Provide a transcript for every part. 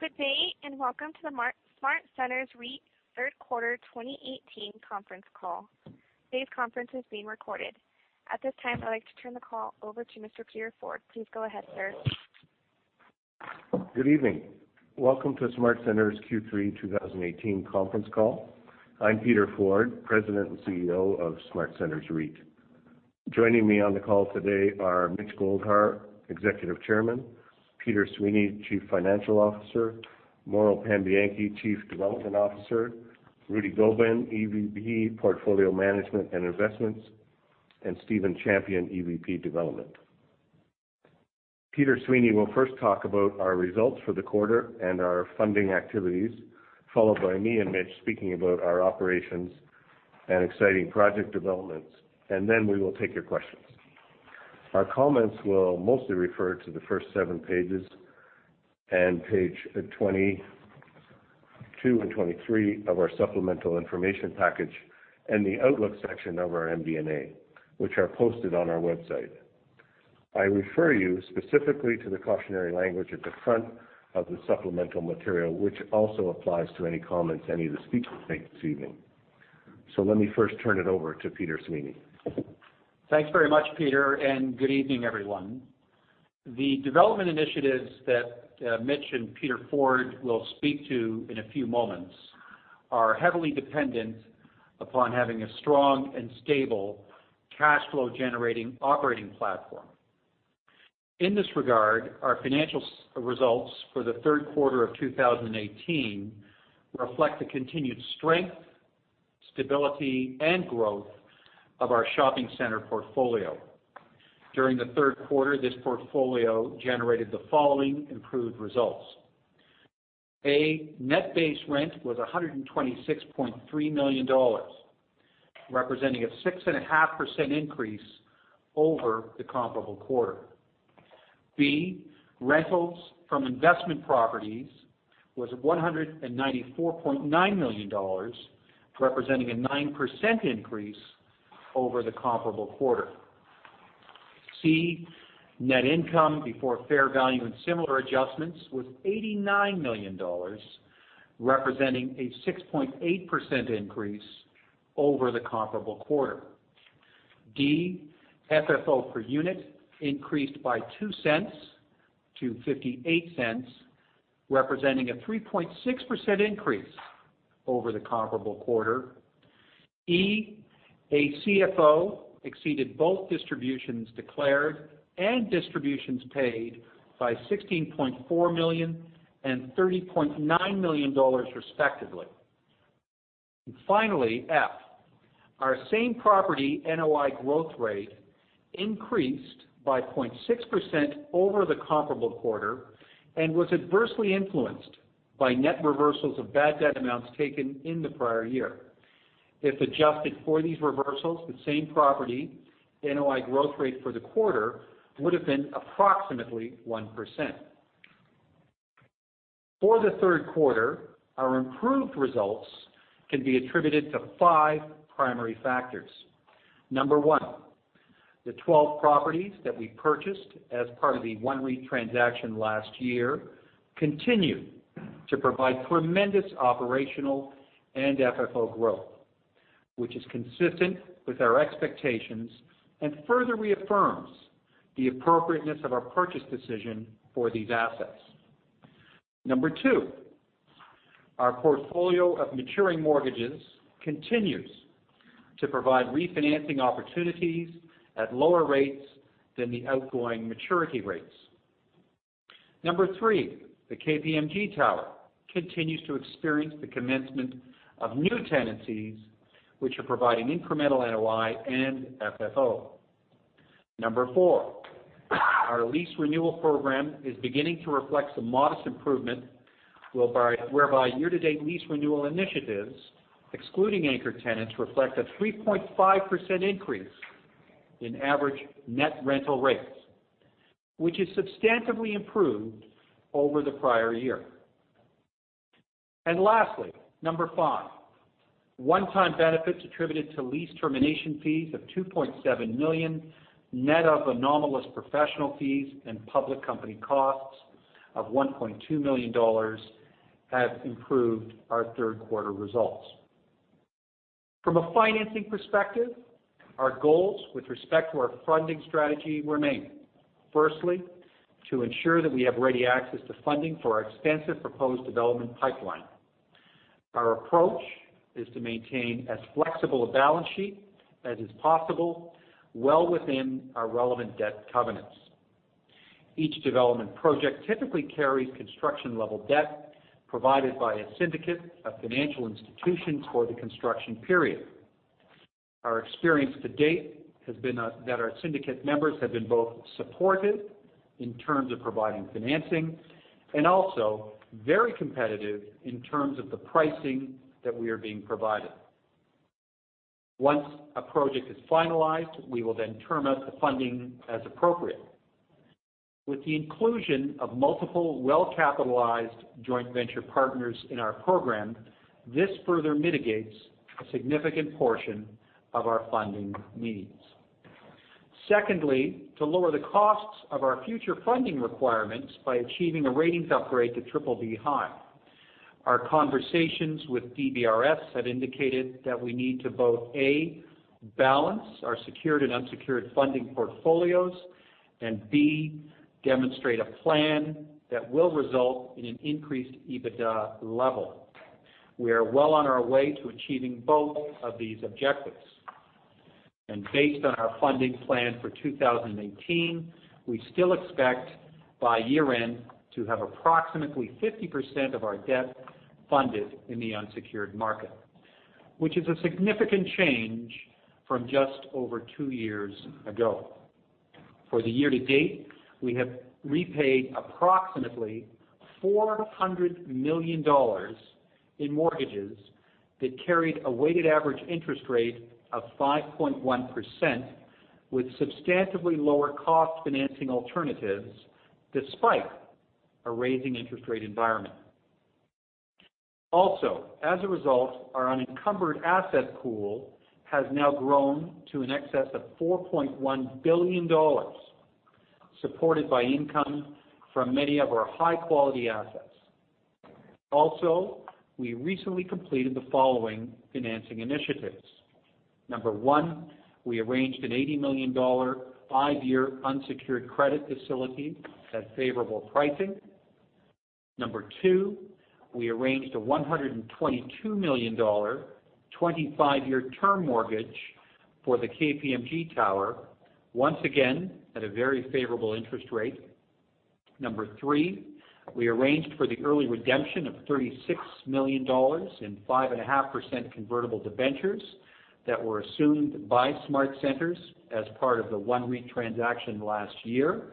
Good day, and welcome to the SmartCentres REIT Third Quarter 2018 conference call. Today's conference is being recorded. At this time, I'd like to turn the call over to Mr. Peter Forde. Please go ahead, sir. Good evening. Welcome to SmartCentres Q3 2018 conference call. I'm Peter Forde, President and CEO of SmartCentres REIT. Joining me on the call today are Mitch Goldhar, Executive Chairman, Peter Sweeney, Chief Financial Officer, Mauro Pambianchi, Chief Development Officer, Rudy Gobin, EVP, Portfolio Management and Investments, and Stephen Champion, EVP Development. Peter Sweeney will first talk about our results for the quarter and our funding activities, followed by me and Mitch speaking about our operations and exciting project developments. Then we will take your questions. Our comments will mostly refer to the first seven pages and page 22 and 23 of our supplemental information package and the outlook section of our MD&A, which are posted on our website. I refer you specifically to the cautionary language at the front of the supplemental material, which also applies to any comments any of the speakers make this evening. Let me first turn it over to Peter Sweeney. Thanks very much, Peter. Good evening, everyone. The development initiatives that Mitch and Peter Forde will speak to in a few moments are heavily dependent upon having a strong and stable cash flow-generating operating platform. In this regard, our financial results for the third quarter of 2018 reflect the continued strength, stability, and growth of our shopping center portfolio. During the third quarter, this portfolio generated the following improved results. A, net base rent was 126.3 million dollars, representing a 6.5% increase over the comparable quarter. B, rentals from investment properties was 194.9 million dollars, representing a 9% increase over the comparable quarter. C, net income before fair value and similar adjustments was 89 million dollars, representing a 6.8% increase over the comparable quarter. D, FFO per unit increased by 0.02 to 0.58, representing a 3.6% increase over the comparable quarter. E, ACFO exceeded both distributions declared and distributions paid by 16.4 million and 30.9 million dollars, respectively. Finally, F, our same property NOI growth rate increased by 0.6% over the comparable quarter and was adversely influenced by net reversals of bad debt amounts taken in the prior year. If adjusted for these reversals, the same property NOI growth rate for the quarter would have been approximately 1%. For the third quarter, our improved results can be attributed to five primary factors. Number 1, the 12 properties that we purchased as part of the OneREIT transaction last year continue to provide tremendous operational and FFO growth, which is consistent with our expectations and further reaffirms the appropriateness of our purchase decision for these assets. Number 2, our portfolio of maturing mortgages continues to provide refinancing opportunities at lower rates than the outgoing maturity rates. Number 3, the KPMG Tower continues to experience the commencement of new tenancies, which are providing incremental NOI and FFO. Number 4, our lease renewal program is beginning to reflect some modest improvement, whereby year-to-date lease renewal initiatives, excluding anchor tenants, reflect a 3.5% increase in average net rental rates, which is substantively improved over the prior year. Lastly, Number 5, one-time benefits attributed to lease termination fees of 2.7 million, net of anomalous professional fees and public company costs of 1.2 million dollars have improved our third quarter results. From a financing perspective, our goals with respect to our funding strategy remain. Firstly, to ensure that we have ready access to funding for our extensive proposed development pipeline. Our approach is to maintain as flexible a balance sheet as is possible, well within our relevant debt covenants. Each development project typically carries construction-level debt provided by a syndicate of financial institutions for the construction period. Our experience to date has been that our syndicate members have been both supportive in terms of providing financing and also very competitive in terms of the pricing that we are being provided. Once a project is finalized, we will then term out the funding as appropriate. With the inclusion of multiple well-capitalized joint venture partners in our program, this further mitigates a significant portion of our funding needs. Secondly, to lower the costs of our future funding requirements by achieving a ratings upgrade to BBB+. Our conversations with DBRS have indicated that we need to both, A, balance our secured and unsecured funding portfolios, and B, demonstrate a plan that will result in an increased EBITDA level. We are well on our way to achieving both of these objectives. Based on our funding plan for 2018, we still expect by year-end to have approximately 50% of our debt funded in the unsecured market, which is a significant change from just over two years ago. For the year to date, we have repaid approximately 400 million dollars in mortgages that carried a weighted average interest rate of 5.1%, with substantively lower cost financing alternatives, despite a raising interest rate environment. Also, as a result, our unencumbered asset pool has now grown to in excess of 4.1 billion dollars, supported by income from many of our high-quality assets. Also, we recently completed the following financing initiatives. Number 1, we arranged an 80 million dollar five-year unsecured credit facility at favorable pricing. Number 2, we arranged a 122 million dollar, 25-year term mortgage for the KPMG Tower, once again, at a very favorable interest rate. Number three, we arranged for the early redemption of 36 million dollars in 5.5% convertible debentures that were assumed by SmartCentres as part of the OneREIT transaction last year.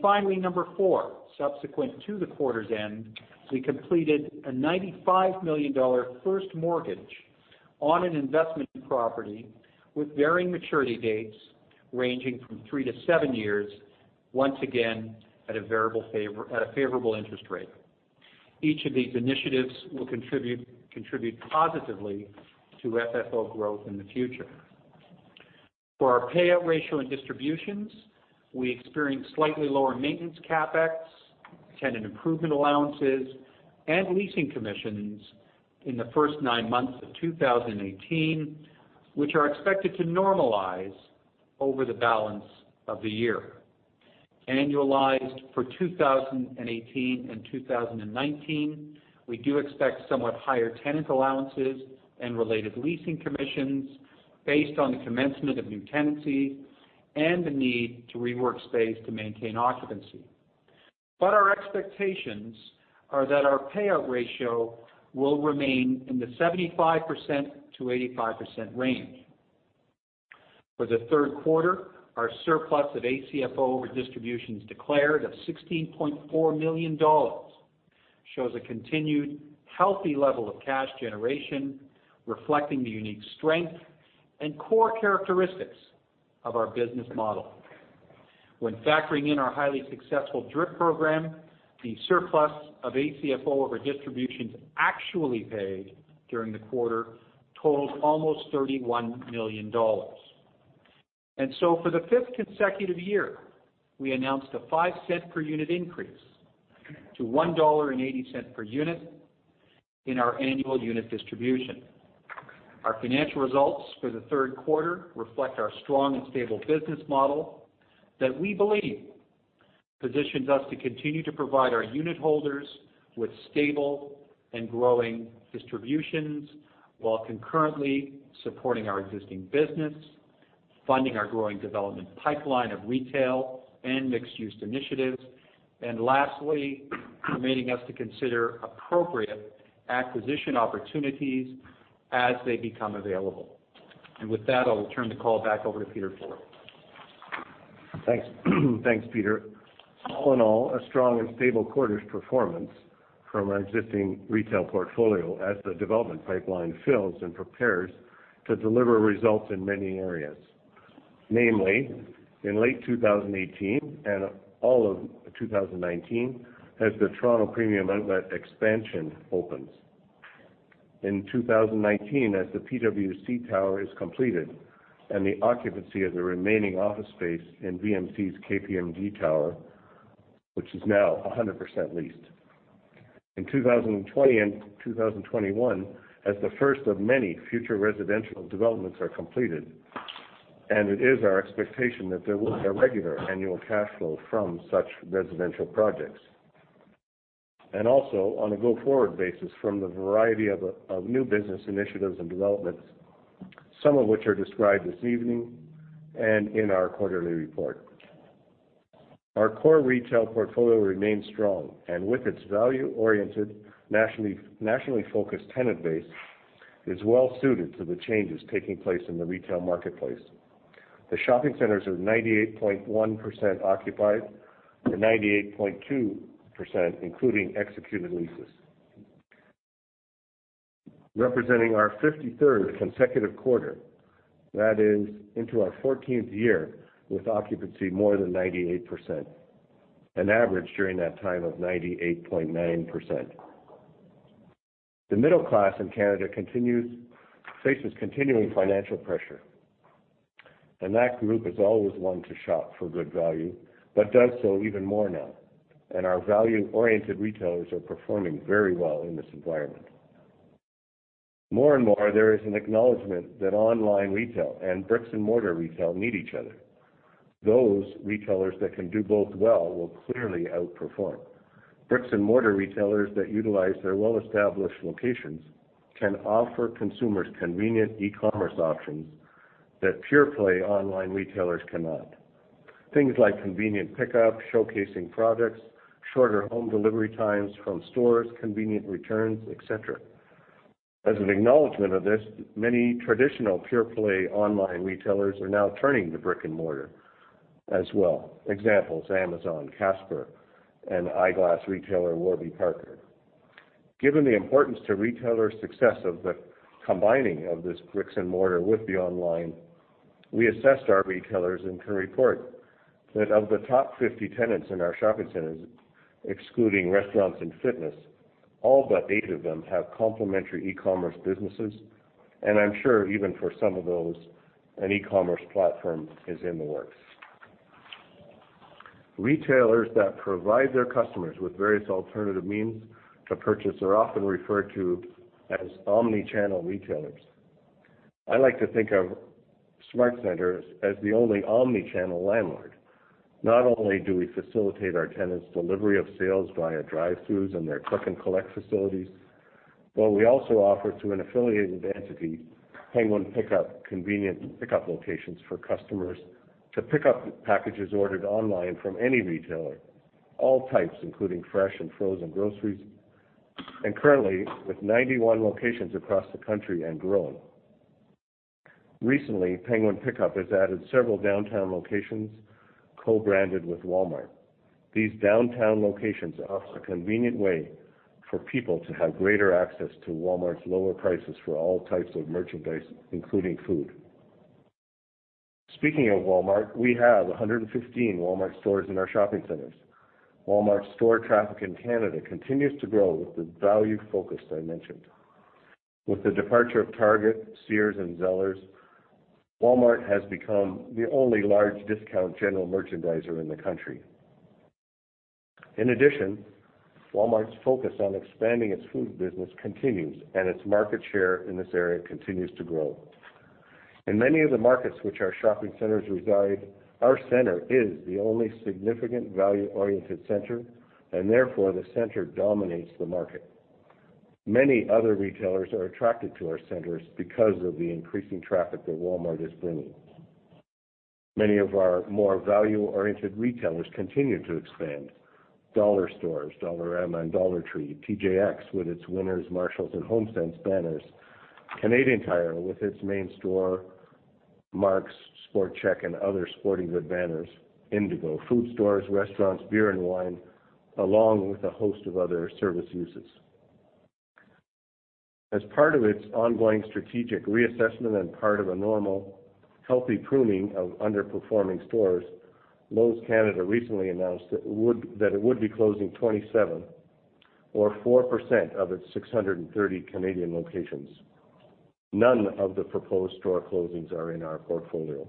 Finally, number four, subsequent to the quarter's end, we completed a 95 million dollar first mortgage on an investment property with varying maturity dates ranging from 3 to 7 years, once again, at a favorable interest rate. Each of these initiatives will contribute positively to FFO growth in the future. For our payout ratio and distributions, we experienced slightly lower maintenance CapEx, tenant improvement allowances, and leasing commissions in the first nine months of 2018, which are expected to normalize over the balance of the year. Annualized for 2018 and 2019, we do expect somewhat higher tenant allowances and related leasing commissions based on the commencement of new tenancy and the need to rework space to maintain occupancy. Our expectations are that our payout ratio will remain in the 75%-85% range. For the third quarter, our surplus of ACFO over distributions declared of 16.4 million dollars shows a continued healthy level of cash generation, reflecting the unique strength and core characteristics of our business model. When factoring in our highly successful DRIP program, the surplus of ACFO over distributions actually paid during the quarter totaled almost 31 million dollars. For the fifth consecutive year, we announced a 0.05 per unit increase to 1.80 dollar per unit in our annual unit distribution. Our financial results for the third quarter reflect our strong and stable business model that we believe positions us to continue to provide our unit holders with stable and growing distributions while concurrently supporting our existing business, funding our growing development pipeline of retail and mixed-use initiatives, and lastly, permitting us to consider appropriate acquisition opportunities as they become available. With that, I will turn the call back over to Peter Forde. Thanks. Thanks, Peter. All in all, a strong and stable quarter's performance from our existing retail portfolio as the development pipeline fills and prepares to deliver results in many areas. Namely, in late 2018 and all of 2019, as the Toronto Premium Outlet expansion opens. In 2019 as the PwC Tower is completed and the occupancy of the remaining office space in VMC's KPMG Tower, which is now 100% leased. In 2020 and 2021, as the first of many future residential developments are completed. It is our expectation that there will be a regular annual cash flow from such residential projects. Also, on a go-forward basis from the variety of new business initiatives and developments, some of which are described this evening and in our quarterly report. Our core retail portfolio remains strong, with its value-oriented, nationally-focused tenant base, is well suited to the changes taking place in the retail marketplace. The shopping centers are 98.1% occupied and 98.2%, including executed leases. Representing our 53rd consecutive quarter, that is, into our 14th year, with occupancy more than 98%, an average during that time of 98.9%. The middle class in Canada faces continuing financial pressure, and that group is always one to shop for good value, but does so even more now. Our value-oriented retailers are performing very well in this environment. More and more, there is an acknowledgment that online retail and bricks-and-mortar retail need each other. Those retailers that can do both well will clearly outperform. Bricks-and-mortar retailers that utilize their well-established locations can offer consumers convenient e-commerce options that pure-play online retailers cannot. Things like convenient pickup, showcasing products, shorter home delivery times from stores, convenient returns, et cetera. As an acknowledgment of this, many traditional pure-play online retailers are now turning to brick-and-mortar as well. Examples, Amazon, Casper, and eyeglass retailer, Warby Parker. Given the importance to retailer success of the combining of this bricks-and-mortar with the online, we assessed our retailers and can report that of the top 50 tenants in our shopping centers, excluding restaurants and fitness, all but eight of them have complementary e-commerce businesses. I'm sure even for some of those, an e-commerce platform is in the works. Retailers that provide their customers with various alternative means to purchase are often referred to as omni-channel retailers. I like to think of SmartCentres as the only omni-channel landlord. Not only do we facilitate our tenants' delivery of sales via drive-throughs and their click-and-collect facilities, but we also offer to an affiliated entity, Penguin Pick-Up, convenient pickup locations for customers to pick up packages ordered online from any retailer. All types, including fresh and frozen groceries. Currently, with 91 locations across the country and growing. Recently, Penguin Pick-Up has added several downtown locations co-branded with Walmart. These downtown locations offer a convenient way for people to have greater access to Walmart's lower prices for all types of merchandise, including food. Speaking of Walmart, we have 115 Walmart stores in our shopping centers. Walmart store traffic in Canada continues to grow with the value focus that I mentioned. With the departure of Target, Sears, and Zellers, Walmart has become the only large discount general merchandiser in the country. In addition, Walmart's focus on expanding its food business continues, its market share in this area continues to grow. In many of the markets which our shopping centers reside, our center is the only significant value-oriented center, and therefore, the center dominates the market. Many other retailers are attracted to our centers because of the increasing traffic that Walmart is bringing. Many of our more value-oriented retailers continue to expand. Dollar stores, Dollarama and Dollar Tree. TJX, with its Winners, Marshalls, and HomeSense banners. Canadian Tire with its main store, Mark's, Sport Chek, and other sporting good banners. Indigo, food stores, restaurants, beer and wine, along with a host of other service uses. As part of its ongoing strategic reassessment and part of a normal, healthy pruning of underperforming stores, Lowe's Canada recently announced that it would be closing 27 or 4% of its 630 Canadian locations. None of the proposed store closings are in our portfolio.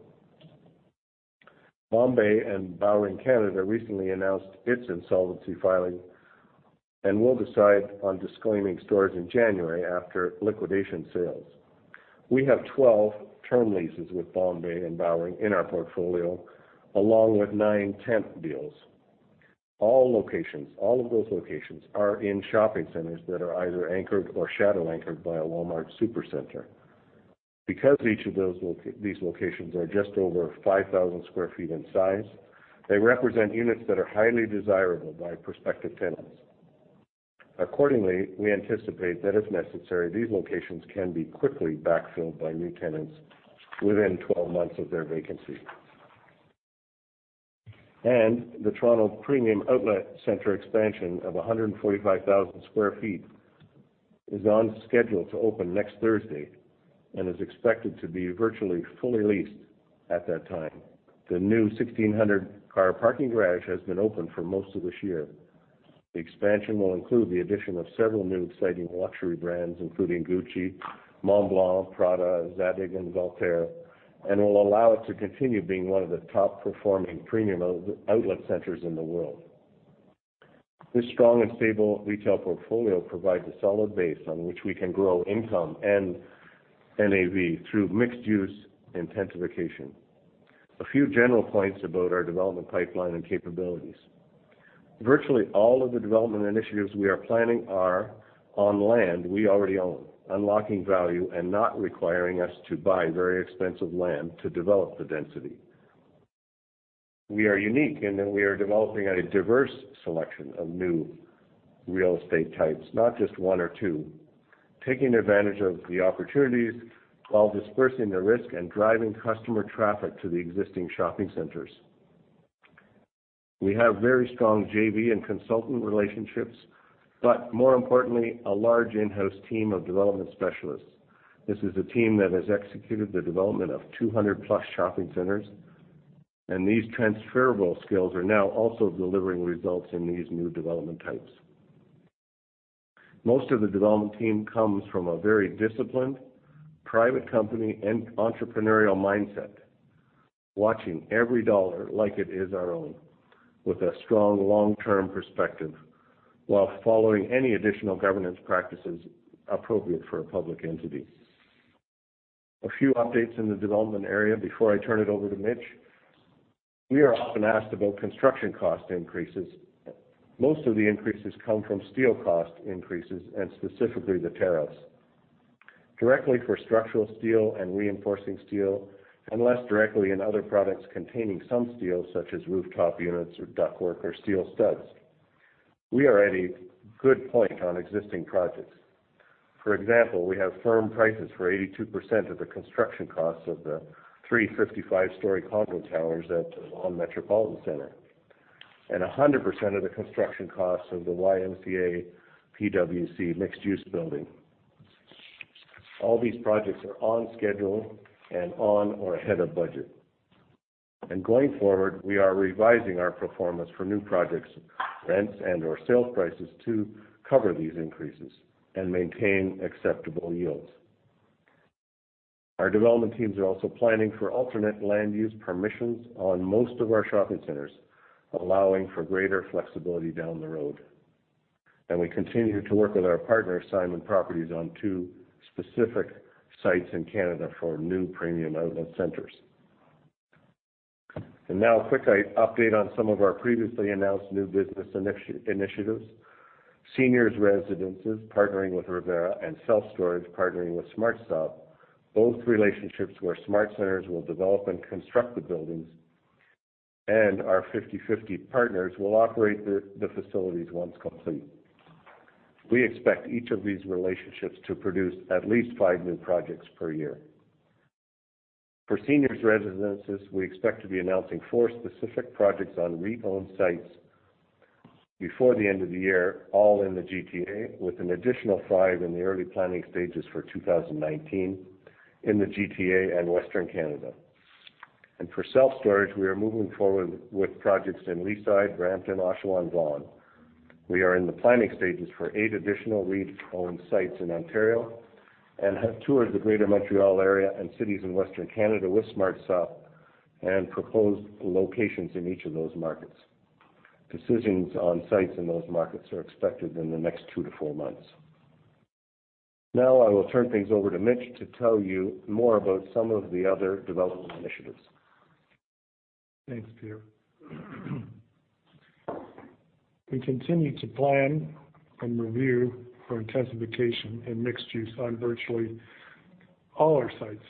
Bombay & Bowring recently announced its insolvency filing and will decide on disclaiming stores in January after liquidation sales. We have 12 term leases with Bombay & Bowring in our portfolio, along with nine tent deals. All of those locations are in shopping centers that are either anchored or shadow anchored by a Walmart Supercenter. Because each of these locations are just over 5,000 sq ft in size, they represent units that are highly desirable by prospective tenants. Accordingly, we anticipate that if necessary, these locations can be quickly backfilled by new tenants within 12 months of their vacancy. The Toronto Premium Outlet Centre expansion of 145,000 sq ft is on schedule to open next Thursday and is expected to be virtually fully leased at that time. The new 1,600 car parking garage has been open for most of this year. The expansion will include the addition of several new exciting luxury brands, including Gucci, Montblanc, Prada, Zadig & Voltaire, and will allow it to continue being one of the top-performing Premium Outlet Centres in the world. This strong and stable retail portfolio provides a solid base on which we can grow income and NAV through mixed use intensification. A few general points about our development pipeline and capabilities. Virtually all of the development initiatives we are planning are on land we already own, unlocking value and not requiring us to buy very expensive land to develop the density. We are unique in that we are developing a diverse selection of new real estate types, not just one or two, taking advantage of the opportunities while dispersing the risk and driving customer traffic to the existing shopping centers. We have very strong JV and consultant relationships, but more importantly, a large in-house team of development specialists. This is a team that has executed the development of 200-plus shopping centers. These transferable skills are now also delivering results in these new development types. Most of the development team comes from a very disciplined private company and entrepreneurial mindset, watching every dollar like it is our own, with a strong long-term perspective, while following any additional governance practices appropriate for a public entity. A few updates in the development area before I turn it over to Mitch. We are often asked about construction cost increases. Most of the increases come from steel cost increases, and specifically the tariffs. Directly for structural steel and reinforcing steel, and less directly in other products containing some steel, such as rooftop units or ductwork or steel studs. We are at a good point on existing projects. For example, we have firm prices for 82% of the construction costs of the three 55-story condo towers at Vaughan Metropolitan Centre, and 100% of the construction costs of the YMCA PwC mixed-use building. All these projects are on schedule and on or ahead of budget. Going forward, we are revising our performance for new projects, rents, and/or sales prices to cover these increases and maintain acceptable yields. Our development teams are also planning for alternate land use permissions on most of our shopping centers, allowing for greater flexibility down the road. We continue to work with our partner, Simon Property Group, on two specific sites in Canada for new premium outlet centers. Now a quick update on some of our previously announced new business initiatives. Seniors residences, partnering with Revera, and self-storage, partnering with SmartStop. Both relationships where SmartCentres will develop and construct the buildings, and our 50/50 partners will operate the facilities once complete. We expect each of these relationships to produce at least five new projects per year. For seniors residences, we expect to be announcing four specific projects on REIT-owned sites before the end of the year, all in the GTA, with an additional five in the early planning stages for 2019 in the GTA and Western Canada. For self-storage, we are moving forward with projects in Leaside, Brampton, Oshawa, and Vaughan. We are in the planning stages for eight additional REIT-owned sites in Ontario and have toured the Greater Montreal area and cities in Western Canada with SmartStop and proposed locations in each of those markets. Decisions on sites in those markets are expected in the next two to four months. I will turn things over to Mitch to tell you more about some of the other development initiatives. Thanks, Peter. We continue to plan and review for intensification and mixed use on virtually all our sites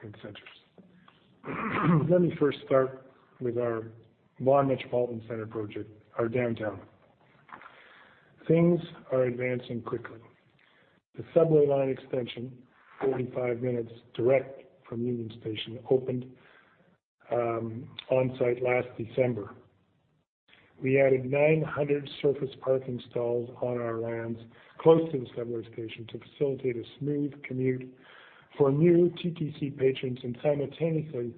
and centers. Let me first start with our Vaughan Metropolitan Centre project, our downtown. Things are advancing quickly. The subway line extension, 45 minutes direct from Union Station, opened on-site last December. We added 900 surface parking stalls on our lands close to the subway station to facilitate a smooth commute for new TTC patrons, and simultaneously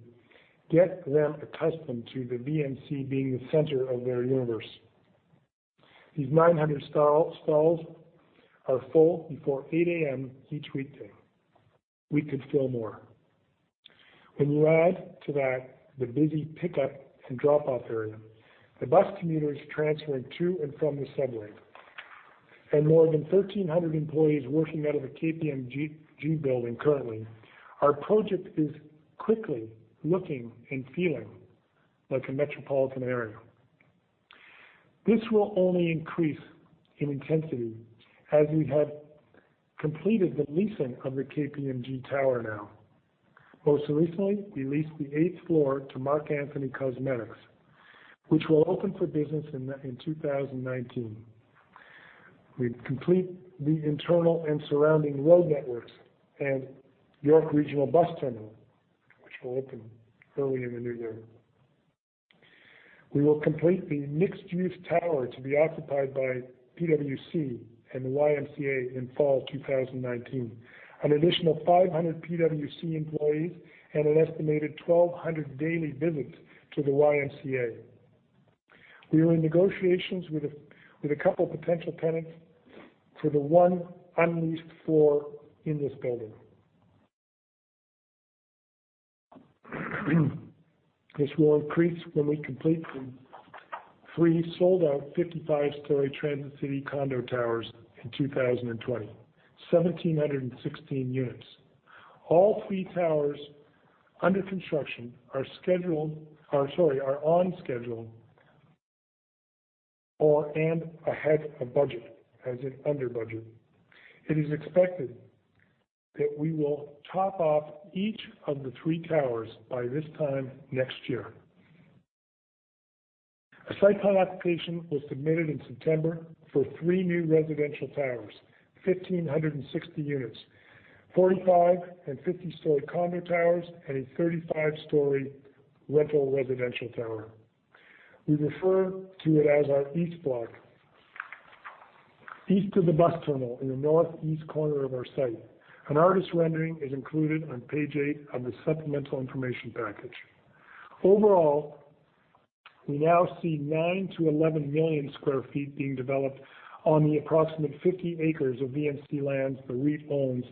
get them accustomed to the VMC being the center of their universe. These 900 stalls are full before 8:00 A.M. each weekday. We could fill more. When you add to that the busy pickup and drop-off area, the bus commuters transferring to and from the subway, and more than 1,300 employees working out of the KPMG building currently, our project is quickly looking and feeling like a metropolitan area. This will only increase in intensity as we have completed the leasing of the KPMG tower now. Most recently, we leased the eighth floor to Marc Anthony Cosmetics, which will open for business in 2019. We complete the internal and surrounding road networks and York Regional bus terminal, which will open early in the new year. We will complete the mixed-use tower to be occupied by PwC and the YMCA in fall 2019. An additional 500 PwC employees and an estimated 1,200 daily visits to the YMCA. We are in negotiations with a couple of potential tenants for the one unleased floor in this building. This will increase when we complete the three sold-out 55-story Transit City condo towers in 2020. 1,716 units. All three towers under construction are on schedule and ahead of budget, as in under budget. It is expected that we will top off each of the three towers by this time next year. A site plan application was submitted in September for three new residential towers, 1,560 units, 45- and 50-story condo towers, and a 35-story rental residential tower. We refer to it as our East Block. East of the bus terminal in the northeast corner of our site. An artist's rendering is included on page eight of the supplemental information package. Overall, we now see nine to 11 million square feet being developed on the approximate 50 acres of VMC lands the REIT owns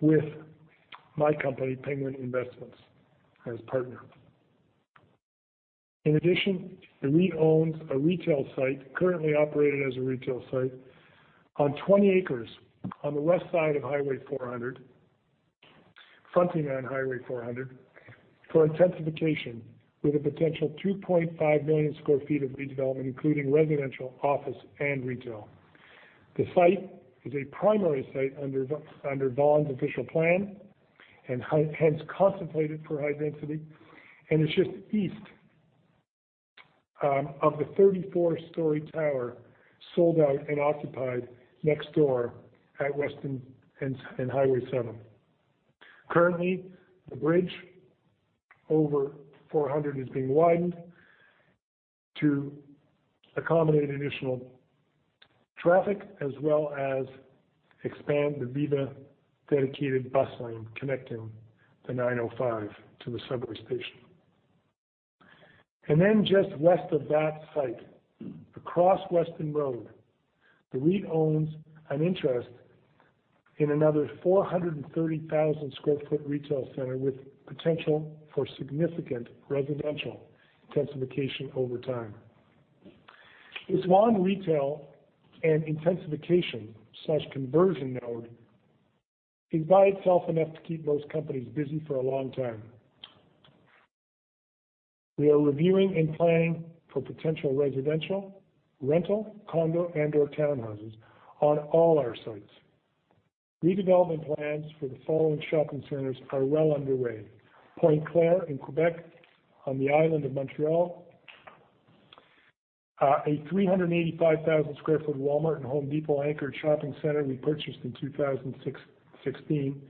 with my company, Penguin Investments, as partner. In addition, the REIT owns a retail site, currently operated as a retail site, on 20 acres on the west side of Highway 400, fronting on Highway 400, for intensification, with a potential 2.5 million square feet of redevelopment, including residential, office, and retail. The site is a primary site under Vaughan's official plan and hence contemplated for high density. It's just east of the 34-story tower, sold out and occupied, next door at Weston and Highway 7. Currently, the bridge over 400 is being widened to accommodate additional traffic as well as expand the Viva dedicated bus lane, connecting the 905 to the subway station. Just west of that site, across Weston Road, the REIT owns an interest in another 430,000 square foot retail center with potential for significant residential intensification over time. This Vaughan retail and intensification/conversion node is by itself enough to keep most companies busy for a long time. We are reviewing and planning for potential residential, rental, condo, and/or townhouses on all our sites. Redevelopment plans for the following shopping centers are well underway. Pointe-Claire in Quebec on the island of Montreal. A 385,000 square foot Walmart and The Home Depot anchor shopping center we purchased in 2016.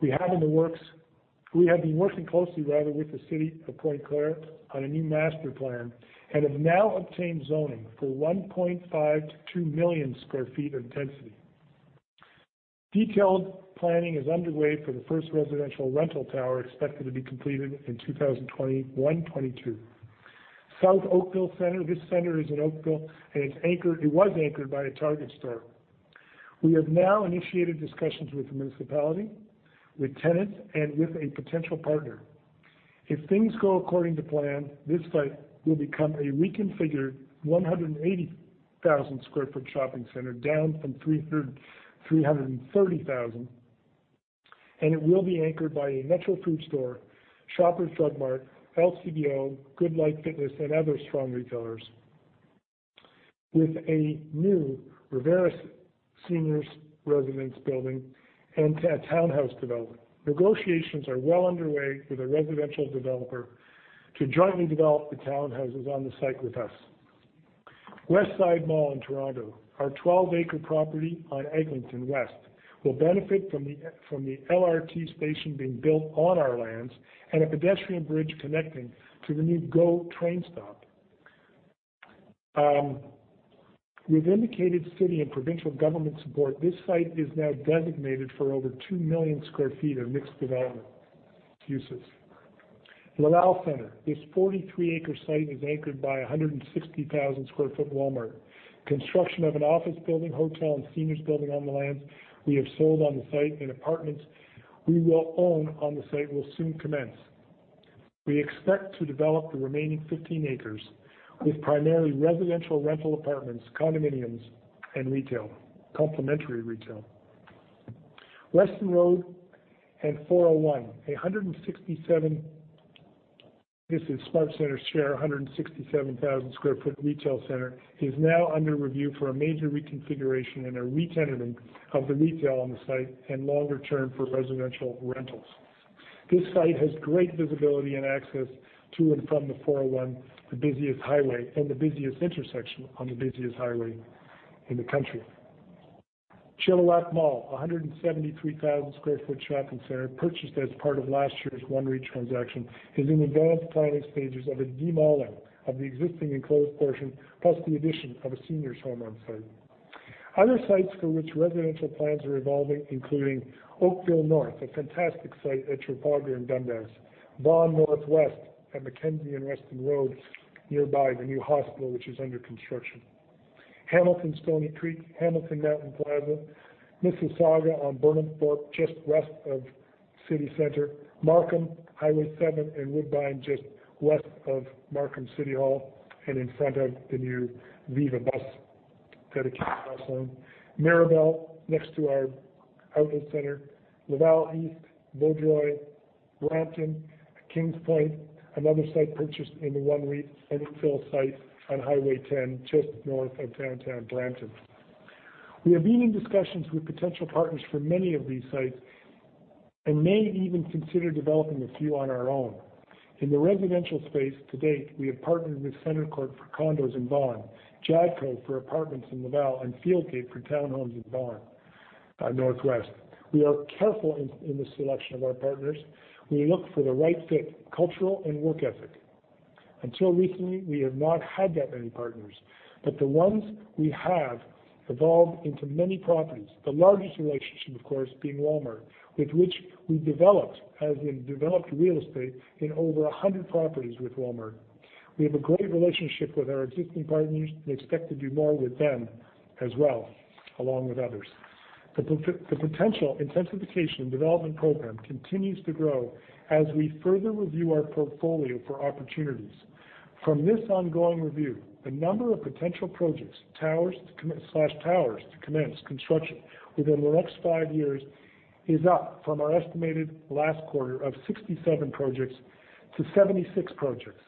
We have been working closely with the city of Pointe-Claire on a new master plan and have now obtained zoning for 1.5 to two million square feet of intensity. Detailed planning is underway for the first residential rental tower, expected to be completed in 2021, 2022. South Oakville Centre. This centre is in Oakville, and it was anchored by a Target store. We have now initiated discussions with the municipality, with tenants, and with a potential partner. If things go according to plan, this site will become a reconfigured 180,000 square foot shopping center, down from 330,000. It will be anchored by a Metro food store, Shoppers Drug Mart, LCBO, GoodLife Fitness, and other strong retailers with a new Revera seniors residence building and townhouse development. Negotiations are well underway with a residential developer to jointly develop the townhouses on the site with us. Westside Mall in Toronto. Our 12-acre property on Eglinton West will benefit from the LRT station being built on our lands and a pedestrian bridge connecting to the new GO train stop. With indicated city and provincial government support, this site is now designated for over two million square feet of mixed development uses. Laval Centre. This 43-acre site is anchored by 160,000 square foot Walmart. Construction of an office building, hotel, and seniors building on the lands we have sold on the site and apartments we will own on the site will soon commence. We expect to develop the remaining 15 acres with primarily residential rental apartments, condominiums, and retail. Complementary retail. Weston Road and 401. This is SmartCentres share, 167,000 sq ft retail center is now under review for a major reconfiguration and a retenanting of the retail on the site and longer term for residential rentals. This site has great visibility and access to and from the 401, the busiest highway and the busiest intersection on the busiest highway in the country. Chilliwack Mall, 173,000 sq ft shopping center purchased as part of last year's OneREIT transaction, is in advanced planning stages of a de-malling of the existing enclosed portion, plus the addition of a senior home on site. Other sites for which residential plans are evolving include Oakville North, a fantastic site at Trafalgar and Dundas. Vaughan Northwest at Mackenzie and Weston Road, nearby the new hospital, which is under construction. Hamilton Stony Creek, Hamilton Mountain Plaza. Mississauga on Burnhamthorpe, just west of City Centre. Markham, Highway 7, and Woodbine, just west of Markham City Hall and in front of the new Viva bus dedicated bus lane. Mirabel, next to our outlet center. Laval East, Vaudreuil, Brampton, Kingspoint, another site purchased in the OneREIT, and a fill site on Highway 10 just north of downtown Brampton. We have been in discussions with potential partners for many of these sites and may even consider developing a few on our own. In the residential space to date, we have partnered with CentreCourt for condos in Vaughan, Jadco for apartments in Laval, and Fieldgate for townhomes in Vaughan Northwest. We are careful in the selection of our partners. We look for the right fit, cultural and work ethic. Until recently, we have not had that many partners, but the ones we have evolved into many properties. The largest relationship, of course being Walmart, with which we developed, as in developed real estate, in over 100 properties with Walmart. We have a great relationship with our existing partners and expect to do more with them as well, along with others. The potential intensification development program continues to grow as we further review our portfolio for opportunities. From this ongoing review, the number of potential projects/towers to commence construction within the next five years is up from our estimated last quarter of 67 projects to 76 projects.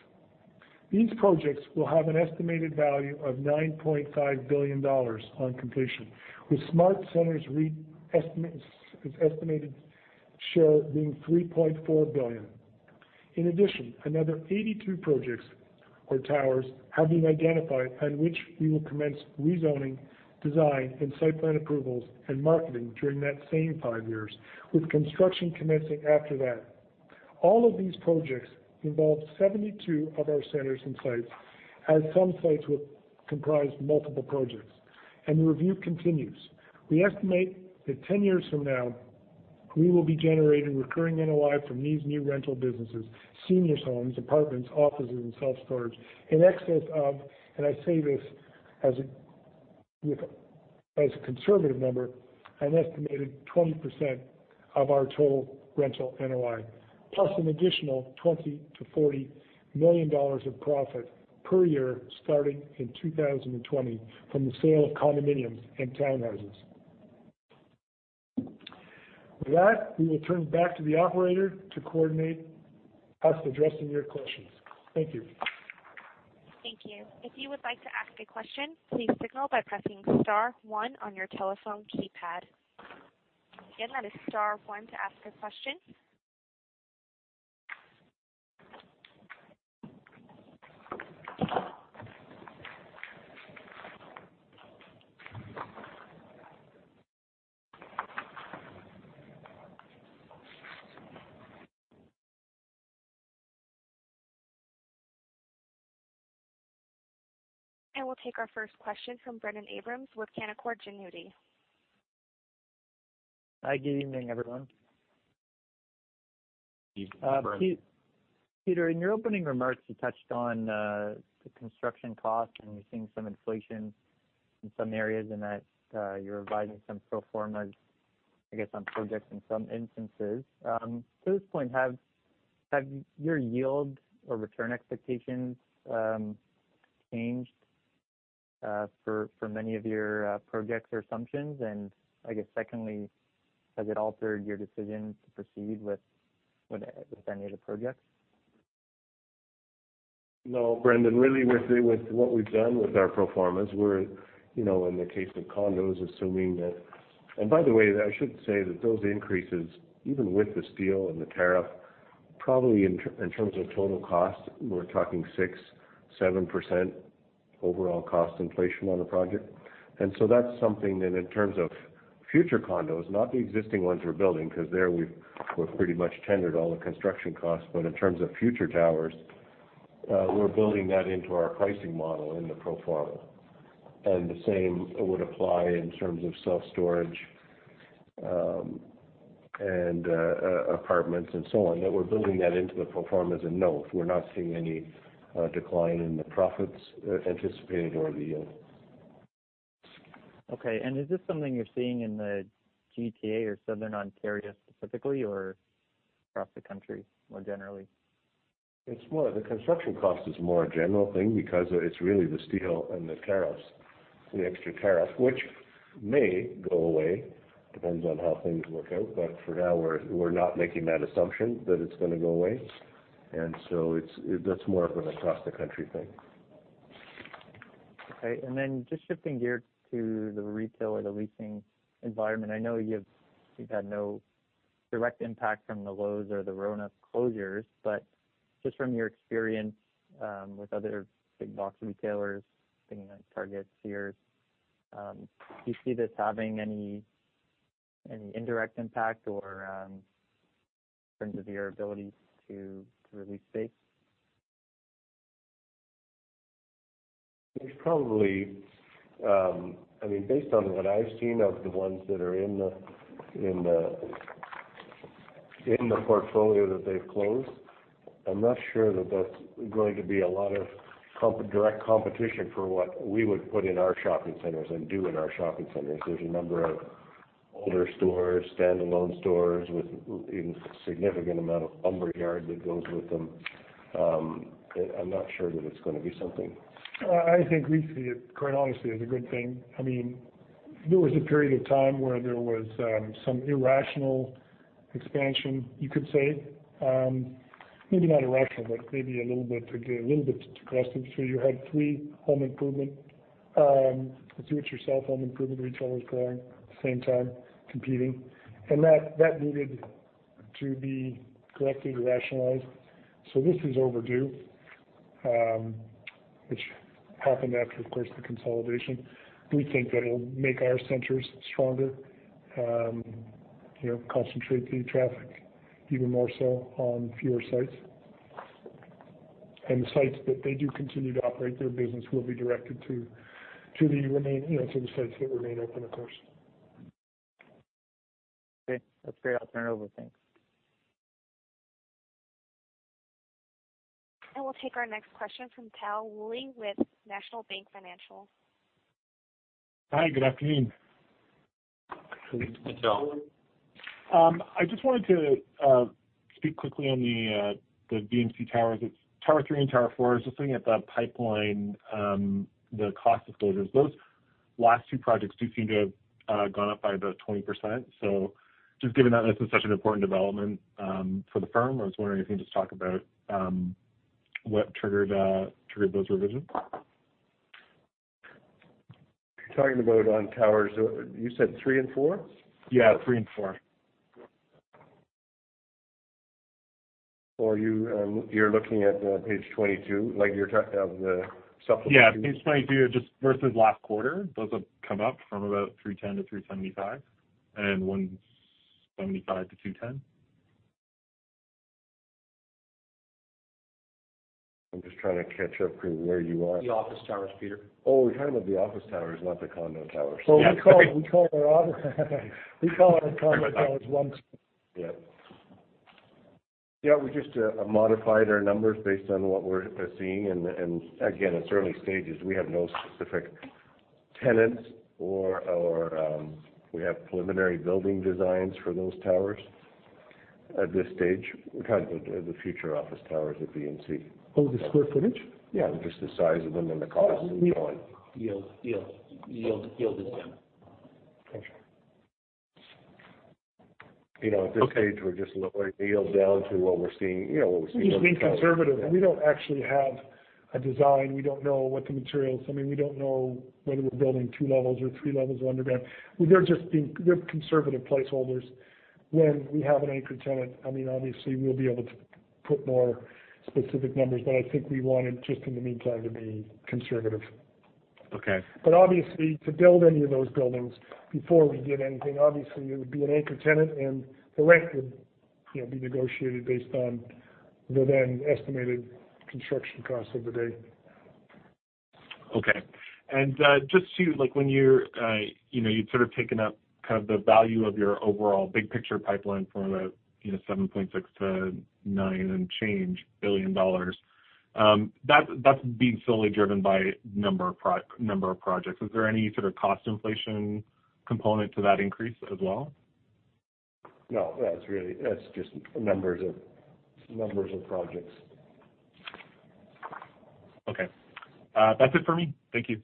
These projects will have an estimated value of 9.5 billion dollars on completion, with SmartCentres Real Estate Investment Trust estimated share being 3.4 billion. In addition, another 82 projects or towers have been identified on which we will commence rezoning, design, and site plan approvals, and marketing during that same five years, with construction commencing after that. All of these projects involve 72 of our centers and sites, as some sites will comprise multiple projects, and the review continues. We estimate that 10 years from now, we will be generating recurring NOI from these new rental businesses, senior homes, apartments, offices, and self-storage in excess of, and I say this as a conservative number, an estimated 20% of our total rental NOI, plus an additional 20 million-40 million dollars of profit per year starting in 2020 from the sale of condominiums and townhouses. With that, we will turn it back to the operator to coordinate us addressing your questions. Thank you. Thank you. If you would like to ask a question, please signal by pressing star one on your telephone keypad. Again, that is star one to ask a question. We'll take our first question from Brendon Abrams with Canaccord Genuity. Hi, good evening, everyone. Evening, Brendon. Peter, in your opening remarks, you touched on the construction cost, you're seeing some inflation in some areas and that you're revising some pro formas, I guess, on projects in some instances. To this point, have your yield or return expectations changed for many of your projects or assumptions? I guess secondly, has it altered your decision to proceed with any of the projects? No, Brendon, really with what we've done with our pro formas, we're, in the case of condos, assuming that. By the way, I should say that those increases, even with the steel and the tariff, probably in terms of total cost, we're talking 6%, 7% overall cost inflation on the project. That's something then in terms of future condos, not the existing ones we're building, because there we've pretty much tendered all the construction costs. In terms of future towers, we're building that into our pricing model in the pro forma. The same would apply in terms of self-storage, and apartments and so on, that we're building that into the pro formas. No, we're not seeing any decline in the profits anticipated or the yield. Okay, is this something you're seeing in the GTA or Southern Ontario specifically, or across the country more generally? It's more, the construction cost is more a general thing because it's really the steel and the tariffs, the extra tariff, which may go away, depends on how things work out. For now, we're not making that assumption that it's going to go away, that's more of an across-the-country thing. Okay. Then just shifting gears to the retail or the leasing environment. I know you've had no direct impact from the Lowe's or the RONA closures, just from your experience with other big box retailers, thinking of Targets, Sears, do you see this having any indirect impact or in terms of your ability to release space? Based on what I've seen of the ones that are in the portfolio that they've closed, I'm not sure that that's going to be a lot of direct competition for what we would put in our shopping centers and do in our shopping centers. There's a number of older stores, standalone stores with significant amount of buffer yard that goes with them. I'm not sure that it's going to be something. I think we see it, quite honestly, as a good thing. There was a period of time where there was some irrational expansion, you could say. Maybe not irrational, but maybe a little bit aggressive. You had three home improvement, do-it-yourself home improvement retailers growing at the same time, competing. That needed to be corrected, rationalized. This is overdue, which happened after, of course, the consolidation. We think that it'll make our centers stronger, concentrate the traffic even more so on fewer sites. The sites that they do continue to operate their business will be directed to the sites that remain open, of course. Okay. That's great. I'll turn it over. Thanks. We'll take our next question from Tal Woolley with National Bank Financial. Hi, good afternoon. Hi, Tal. I just wanted to speak quickly on the VMC towers. It's tower 3 and tower 4. Just looking at the pipeline, the cost disclosures. Those last two projects do seem to have gone up by about 20%. Just given that this is such an important development for the firm, I was wondering if you could just talk about what triggered those revisions. You're talking about on towers, you said 3 and 4? Yeah, three and four. You're looking at page 22 of the supplement? Yeah. Page 22, just versus last quarter, those have come up from about 310 to 375 and 175 to 210. I'm just trying to catch up to where you are. The office towers, Peter. Oh, we're talking about the office towers, not the condo towers. Yeah. We called our condo towers once. Yeah. Yeah, we just modified our numbers based on what we're seeing. Again, it's early stages. We have no specific tenants, or we have preliminary building designs for those towers at this stage. We're talking about the future office towers at VMC. Oh, the square footage? Yeah, just the size of them and the cost going. Yield is down. Okay. At this stage, we're just lowering the yield down to what we're seeing. We're just being conservative. We don't actually have a design. We don't know whether we're building two levels or three levels underground. They're just conservative placeholders. When we have an anchor tenant, obviously, we'll be able to put more specific numbers, but I think we wanted, just in the meantime, to be conservative. Okay. Obviously, to build any of those buildings, before we did anything, obviously, it would be an anchor tenant, and the rent would be negotiated based on the then-estimated construction cost of the day. Okay. You'd sort of taken up the value of your overall big-picture pipeline from about 7.6 billion to 9 billion and change. That's being solely driven by number of projects. Is there any sort of cost inflation component to that increase as well? No. That's just numbers of projects. Okay. That's it for me. Thank you.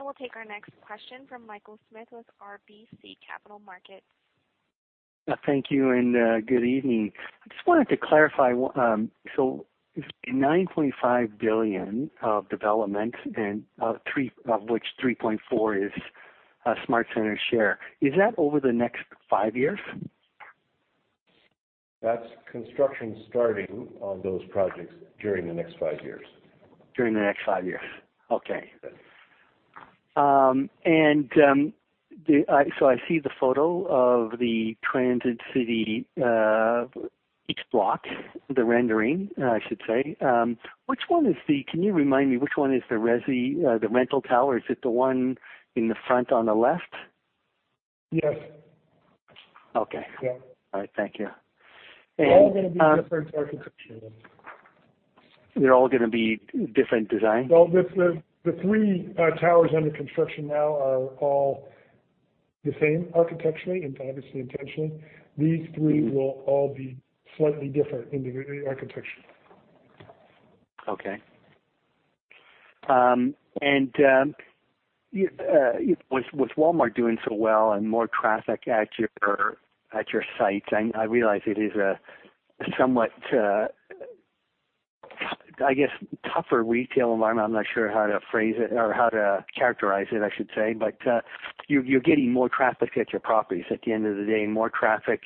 We'll take our next question from Michael Smith with RBC Capital Markets. Thank you, and good evening. I just wanted to clarify. 9.5 billion of development, of which 3.4 billion is SmartCentres' share. Is that over the next five years? That's construction starting on those projects during the next five years. During the next five years. Okay. Yes. I see the photo of the Transit City East Block the rendering, I should say. Can you remind me which one is the rental tower? Is it the one in the front on the left? Yes. Okay. Yeah. All right. Thank you. They're all going to be different architecturally. They're all going to be different designs? Well, the three towers under construction now are all the same architecturally, obviously intentionally. These three will all be slightly different individually architecturally. Okay. With Walmart doing so well and more traffic at your sites, I realize it is a somewhat, I guess, tougher retail environment. I'm not sure how to phrase it or how to characterize it, I should say. You're getting more traffic at your properties. At the end of the day, more traffic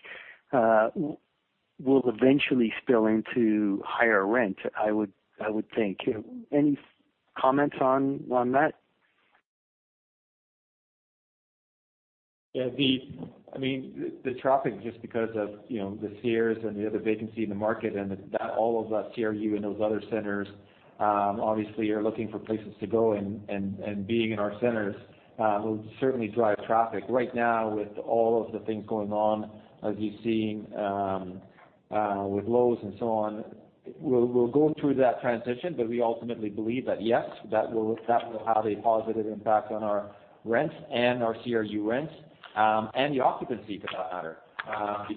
will eventually spill into higher rent, I would think. Any comments on that? The traffic, just because of the Sears and the other vacancy in the market, all of that CRU in those other centers, obviously, are looking for places to go, being in our centers will certainly drive traffic. Right now, with all of the things going on, as you've seen, with Lowe's and so on, we're going through that transition. We ultimately believe that, yes, that will have a positive impact on our rents and our CRU rents, and the occupancy for that matter.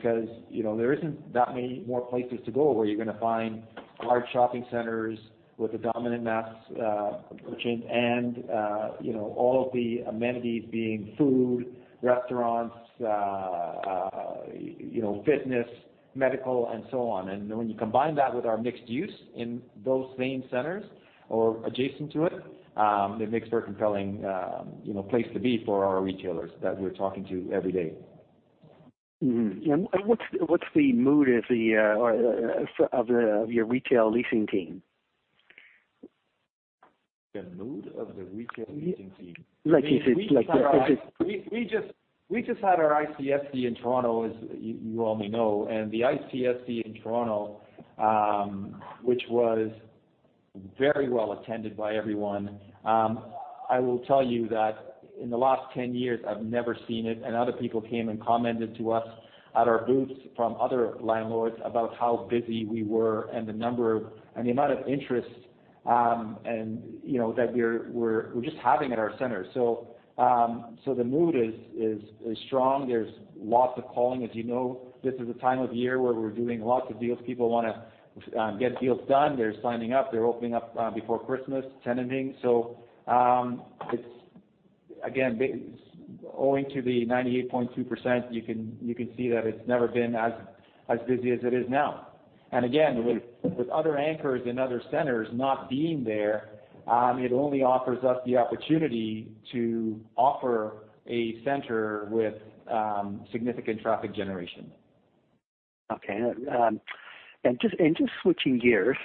There isn't that many more places to go where you're going to find large shopping centers with a dominant mass merchant and all of the amenities being food, restaurants, fitness, medical, and so on. When you combine that with our mixed use in those same centers or adjacent to it makes for a compelling place to be for our retailers that we're talking to every day. Mm-hmm. What's the mood of your retail leasing team? The mood of the retail leasing team. Like you said- We just had our ICSC in Toronto, as you know, and the ICSC in Toronto, which was very well attended by everyone. I will tell you that in the last 10 years, I have never seen it, and other people came and commented to us at our booths from other landlords about how busy we were and the amount of interest that we are just having at our center. The mood is strong. There is lots of calling. As you know, this is the time of year where we are doing lots of deals. People want to get deals done. They are signing up. They are opening up before Christmas, tenanting. It is, again, owing to the 98.2%, you can see that it has never been as busy as it is now. Again, with other anchors and other centers not being there, it only offers us the opportunity to offer a center with significant traffic generation. Just switching gears.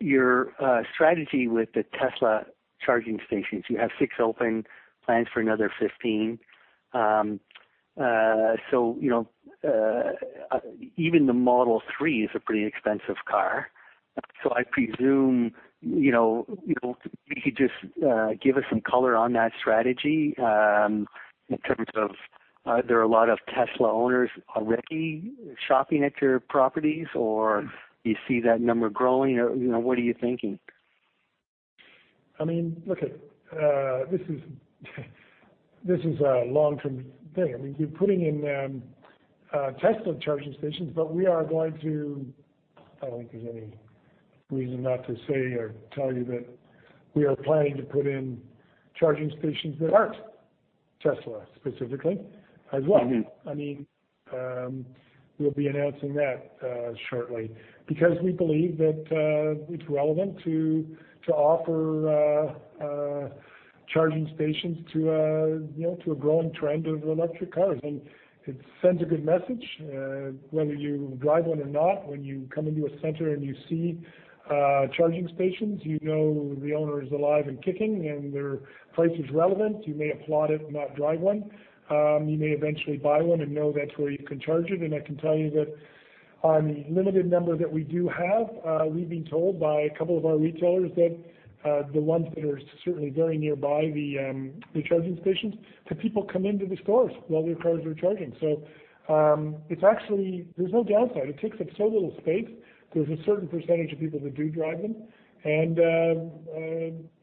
Your strategy with the Tesla charging stations, you have six open, plans for another 15. Even the Model 3 is a pretty expensive car. I presume, if you could just give us some color on that strategy, in terms of are there a lot of Tesla owners already shopping at your properties, or do you see that number growing, or what are you thinking? This is a long-term thing. We are putting in Tesla charging stations, but I do not think there is any reason not to say or tell you that we are planning to put in charging stations that are not Tesla, specifically, as well. We will be announcing that shortly because we believe that it is relevant to offer charging stations to a growing trend of electric cars. It sends a good message, whether you drive one or not. When you come into a center and you see charging stations, you know the owner is alive and kicking, and their presence is relevant. You may applaud it and not drive one. You may eventually buy one and know that is where you can charge it. I can tell you that on the limited number that we do have, we've been told by a couple of our retailers that the ones that are certainly very nearby the charging stations, that people come into the stores while their cars are charging. There's no downside. It takes up so little space. There's a certain percentage of people that do drive them, and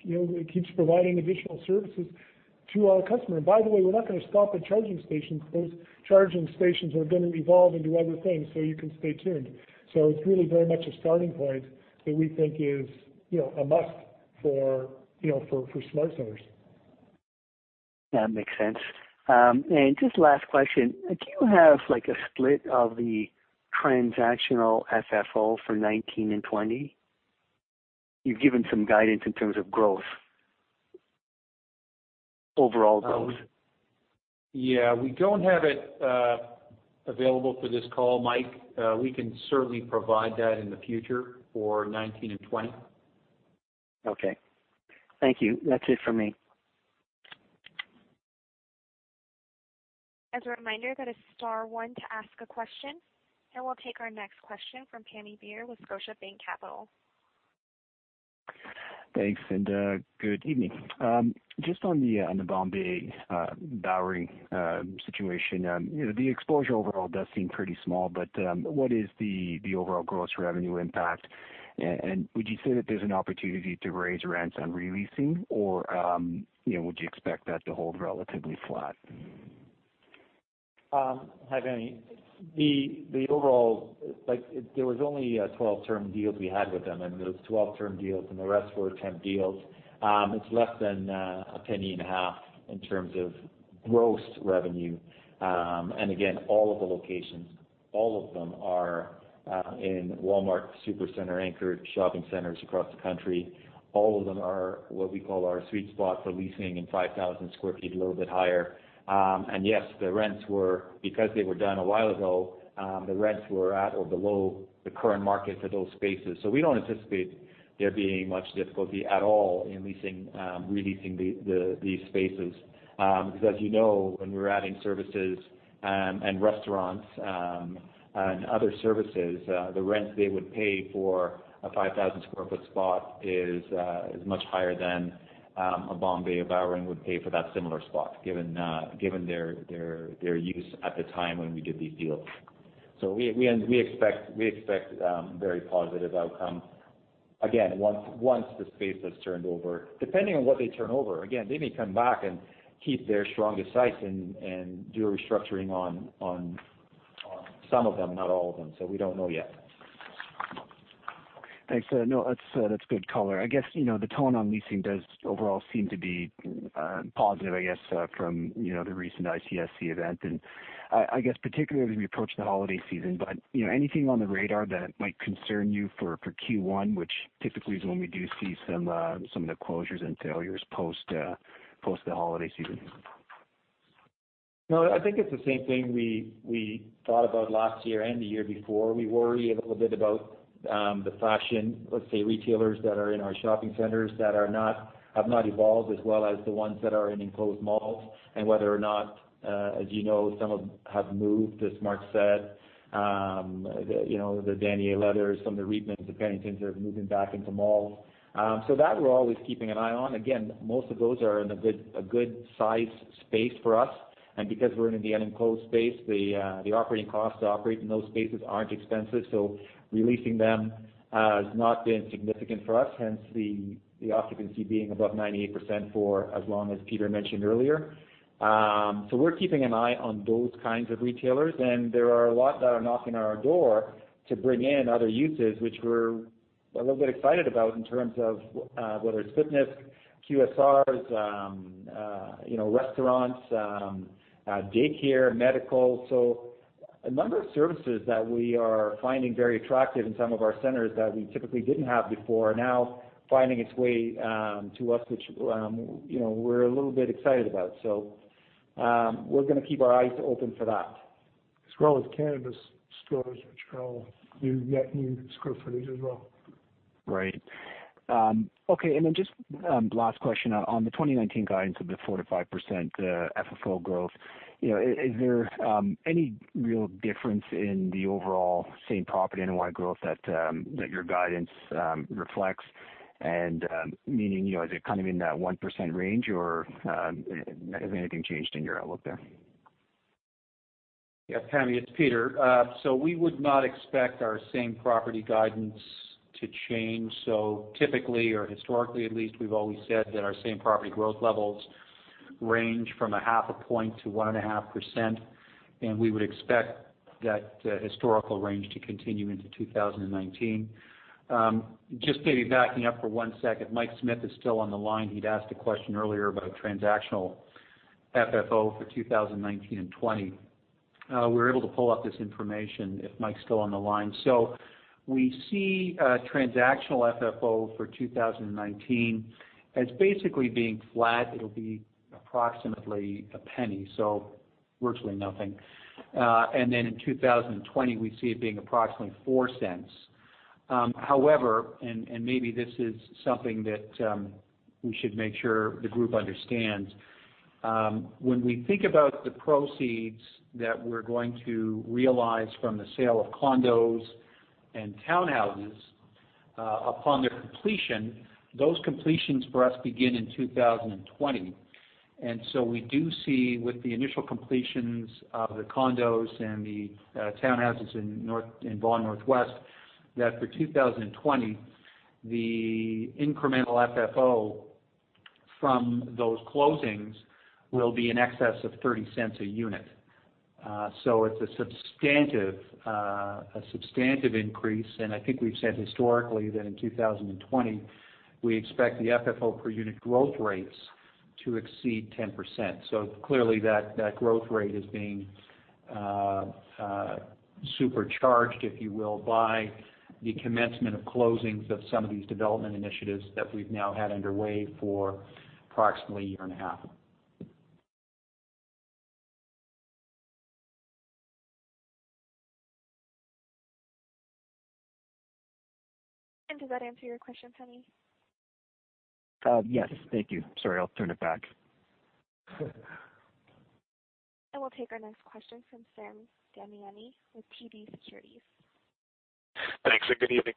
it keeps providing additional services to our customer. By the way, we're not going to stop at charging stations. Those charging stations are going to evolve into other things, so you can stay tuned. It's really very much a starting point that we think is a must for SmartCentres. That makes sense. Just last question, do you have a split of the transactional FFO for 2019 and 2020? You've given some guidance in terms of growth. Overall growth. We don't have it available for this call, Mike. We can certainly provide that in the future for 2019 and 2020. Thank you. That's it for me. As a reminder, that is star one to ask a question. We'll take our next question from Pammi Bir with Scotiabank Capital. Thanks. Good evening. Just on the Bombay & Bowring situation. The exposure overall does seem pretty small. What is the overall gross revenue impact? Would you say that there's an opportunity to raise rents on re-leasing, or would you expect that to hold relatively flat? Hi, Pammi Bir. There was only 12 term deals we had with them. Those 12 term deals and the rest were 10 deals. It's less than a penny and a half in terms of gross revenue. Again, all of the locations, all of them are in Walmart Supercenter anchored shopping centers across the country. All of them are what we call our sweet spot for leasing in 5,000 sq ft, a little bit higher. Yes, because they were done a while ago, the rents were at or below the current market for those spaces. We don't anticipate there being much difficulty at all in re-leasing these spaces. Because as you know, when we're adding services and restaurants, and other services, the rents they would pay for a 5,000 sq ft spot is much higher than a Bombay & Bowring would pay for that similar spot, given their use at the time when we did these deals. We expect very positive outcome. Once the space has turned over. Depending on what they turn over. They may come back and keep their strongest sites and do restructuring on some of them, not all of them. We don't know yet. Thanks. That's good color. The tone on leasing does overall seem to be positive from the recent ICSC event, and particularly as we approach the holiday season. Anything on the radar that might concern you for Q1, which typically is when we do see some of the closures and failures post the holiday season? I think it's the same thing we thought about last year and the year before. We worry a little bit about the fashion, let's say retailers that are in our shopping centers that have not evolved as well as the ones that are in enclosed malls, and whether or not, as you know, some have moved, as Mark said. The Danier Leather, some of the Reitmans, the Penningtons are moving back into malls. That we're always keeping an eye on. Again, most of those are in a good size space for us. Because we're in the unenclosed space, the operating costs to operate in those spaces aren't expensive. Releasing them has not been significant for us, hence the occupancy being above 98% for as long as Peter mentioned earlier. We're keeping an eye on those kinds of retailers, and there are a lot that are knocking on our door to bring in other uses, which we're a little bit excited about in terms of whether it's fitness, QSRs, restaurants, daycare, medical. A number of services that we are finding very attractive in some of our centers that we typically didn't have before are now finding its way to us, which we're a little bit excited about. We're going to keep our eyes open for that. As well as cannabis stores, which will net you square footage as well. Right. Okay. Just last question, on the 2019 guidance of the 4%-5% FFO growth, is there any real difference in the overall same property NOI growth that your guidance reflects? Meaning, is it kind of in that 1% range, or has anything changed in your outlook there? Yes, Pammi, it's Peter. We would not expect our same property guidance to change. Typically, or historically at least, we've always said that our same property growth levels range from a half a point to 1.5%, and we would expect that historical range to continue into 2019. Just maybe backing up for one second, Mike Smith is still on the line. He'd asked a question earlier about transactional FFO for 2019 and 2020. We were able to pull up this information, if Mike's still on the line. We see transactional FFO for 2019 as basically being flat. It'll be approximately CAD 0.01. Virtually nothing. In 2020, we see it being approximately 0.04. However, maybe this is something that we should make sure the group understands. When we think about the proceeds that we're going to realize from the sale of condos and townhouses upon their completion, those completions for us begin in 2020. We do see, with the initial completions of the condos and the townhouses in Vaughan Northwest, that for 2020, the incremental FFO from those closings will be in excess of 0.30 a unit. It's a substantive increase. I think we've said historically that in 2020, we expect the FFO per unit growth rates to exceed 10%. Clearly that growth rate is being supercharged, if you will, by the commencement of closings of some of these development initiatives that we've now had underway for approximately a year and a half. Does that answer your question, Pammi? Yes. Thank you. Sorry, I'll turn it back. We'll take our next question from Sam Damiani with TD Securities. Thanks, good evening.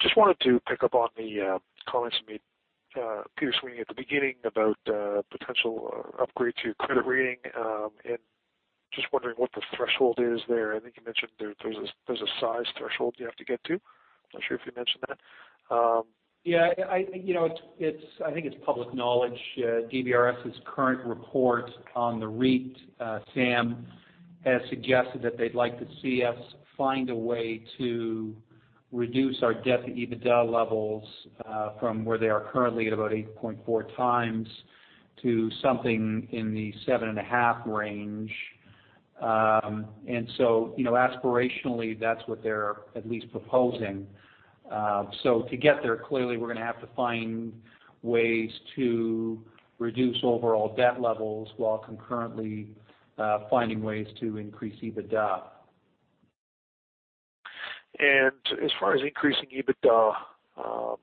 Just wanted to pick up on the comments you made, Peter Sweeney, at the beginning about potential upgrade to your credit rating. Just wondering what the threshold is there. I think you mentioned there's a size threshold you have to get to. Not sure if you mentioned that. Yeah. I think it's public knowledge. DBRS's current report on the REIT, Sam, has suggested that they'd like to see us find a way to reduce our debt-to-EBITDA levels, from where they are currently at about 8.4 times, to something in the 7.5 range. Aspirationally, that's what they're at least proposing. To get there, clearly, we're going to have to find ways to reduce overall debt levels while concurrently finding ways to increase EBITDA. As far as increasing EBITDA,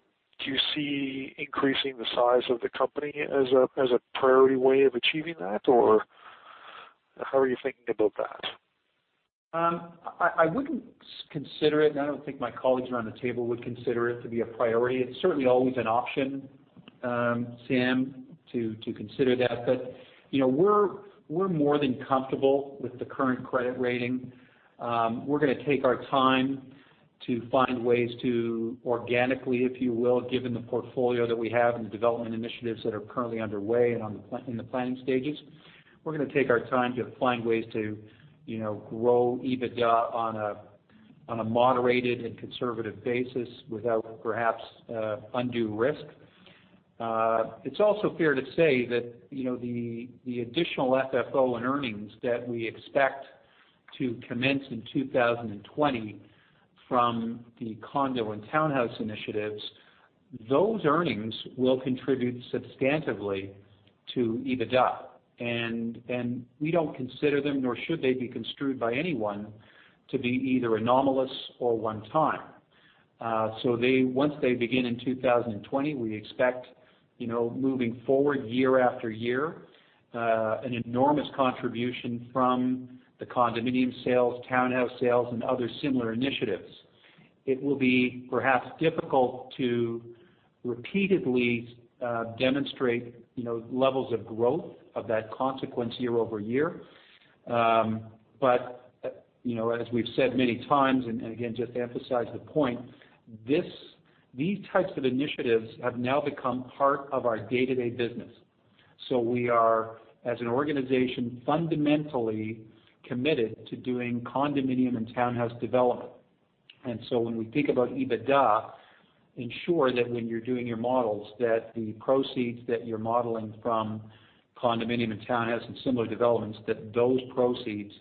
do you see increasing the size of the company as a priority way of achieving that, or how are you thinking about that? I wouldn't consider it, I don't think my colleagues around the table would consider it to be a priority. It's certainly always an option, Sam, to consider that. We're more than comfortable with the current credit rating. We're going to take our time to find ways to organically, if you will, given the portfolio that we have and the development initiatives that are currently underway and in the planning stages. We're going to take our time to find ways to grow EBITDA on a moderated and conservative basis without perhaps undue risk. It's also fair to say that the additional FFO and earnings that we expect To commence in 2020 from the condo and townhouse initiatives. Those earnings will contribute substantively to EBITDA, and we don't consider them, nor should they be construed by anyone, to be either anomalous or one-time. Once they begin in 2020, we expect, moving forward year after year, an enormous contribution from the condominium sales, townhouse sales, and other similar initiatives. It will be perhaps difficult to repeatedly demonstrate levels of growth of that consequence year-over-year. As we've said many times, again, just to emphasize the point, these types of initiatives have now become part of our day-to-day business. We are, as an organization, fundamentally committed to doing condominium and townhouse development. When we think about EBITDA, ensure that when you're doing your models, that the proceeds that you're modeling from condominium and townhouses and similar developments, that those proceeds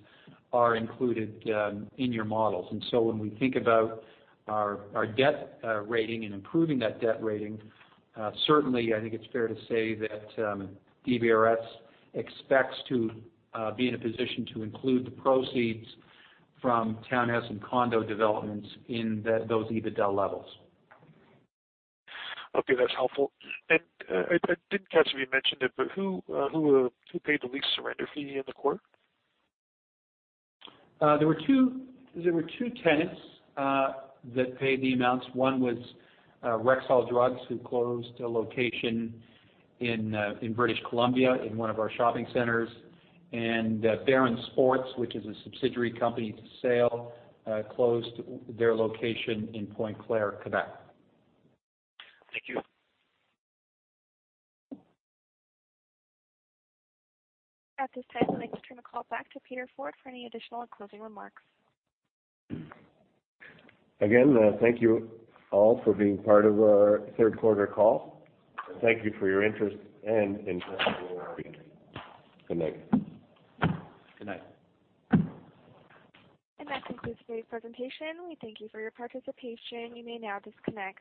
are included in your models. When we think about our debt rating and improving that debt rating, certainly, I think it's fair to say that DBRS expects to be in a position to include the proceeds from townhouse and condo developments in those EBITDA levels. Okay. That's helpful. I didn't catch if you mentioned it, but who paid the lease surrender fee in the quarter? There were two tenants that paid the amounts. One was Rexall Drugs, who closed a location in British Columbia in one of our shopping centers, and Baron Sports, which is a subsidiary company to Sail, closed their location in Pointe-Claire, Quebec. Thank you. At this time, I'd like to turn the call back to Peter Forde for any additional or closing remarks. Again, thank you all for being part of our third quarter call, and thank you for your interest and investment in our company. Good night. Good night. That concludes today's presentation. We thank you for your participation. You may now disconnect.